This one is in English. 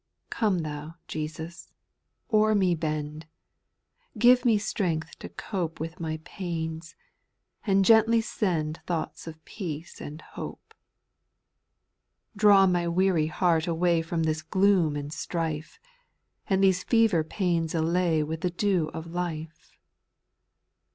Come then, Jesus, o'er me bend^ Give me strength to cope With my pains, and gently send Thoughts of peace and hope. 4. Draw my weary heart away From this gloom and strife. And these fever pains allay With the dew of life.